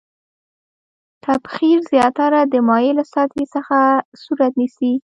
تبخیر زیاتره د مایع له سطحې څخه صورت نیسي.